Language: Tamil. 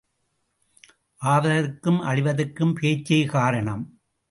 ஆவதற்கும் அழிவதற்கும் பேச்சே காரணம்.